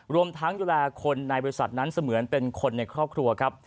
รวมทั้งดูแลคนในบริษัทนั้นเสมือนเป็นคนในครอบครัวครับ